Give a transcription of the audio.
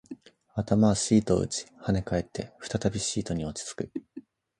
頭はシートを打ち、跳ね返って、再びシートに落ち着く